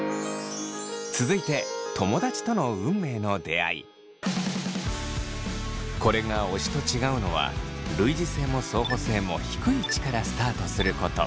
大体続いてこれが推しと違うのは類似性も相補性も低い位置からスタートすること。